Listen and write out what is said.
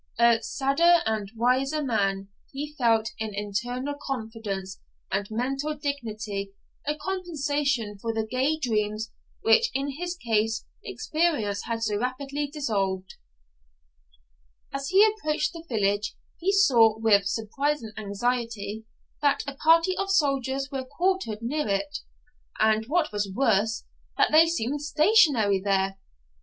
'A sadder and a wiser man,' he felt in internal confidence and mental dignity a compensation for the gay dreams which in his case experience had so rapidly dissolved. As he approached the village he saw, with surprise and anxiety, that a party of soldiers were quartered near it, and, what was worse, that they seemed stationary there.